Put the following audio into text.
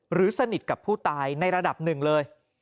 หรือสนิทกับผู้ตายในระดับหนึ่งเลย